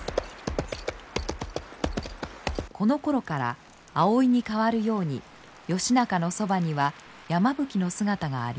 このころから葵に代わるように義仲のそばには山吹の姿があります。